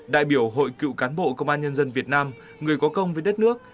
đại biểu hội cựu cán bộ công an nhân dân việt nam người có công với đất nước